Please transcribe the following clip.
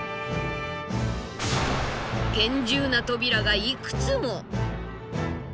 厳重な扉がいくつも。